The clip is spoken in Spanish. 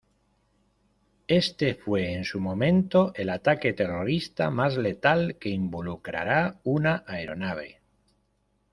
Este fue, en su momento, el ataque terrorista más letal que involucrara una aeronave.